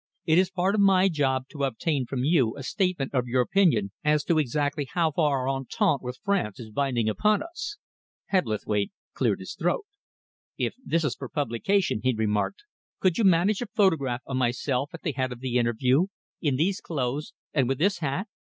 It is part of my job to obtain from you a statement of your opinion as to exactly how far our entente with France is binding upon us." Hebblethwaite cleared his throat. "If this is for publication," he remarked, "could you manage a photograph of myself at the head of the interview, in these clothes and with this hat?